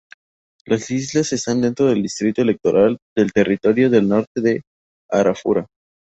Las islas están dentro del distrito electoral del Territorio del Norte de Arafura.